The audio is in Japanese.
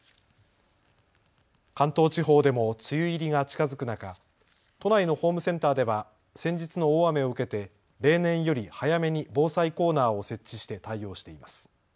関東地方でも梅雨入りが近づく中、都内のホームセンターでは先日の大雨を受けて例年より早めに防災コーナーを設置して対応しています。